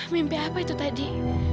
mimpi apa itu tadi